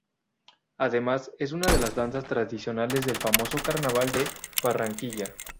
Además, es una de las danzas tradicionales del famoso Carnaval de Barranquilla.